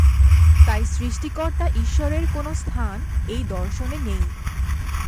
তাই সৃষ্টিকর্তা ঈশ্বরের কোনো স্থান এই দর্শনে নেই।